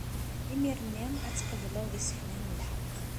Imir-nni ad d-tqebleḍ iseflen n lḥeqq.